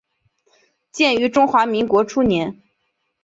建于中华民国初年。